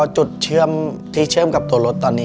จุดเชื่อมที่เชื่อมกับตัวรถตอนนี้